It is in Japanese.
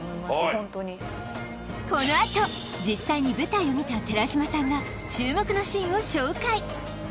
このあと実際に舞台を見た寺島さんが注目のシーンを紹介！